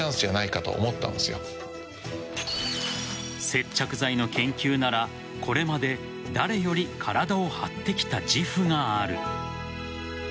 接着剤の研究ならこれまで誰より体を張ってきた自負がある。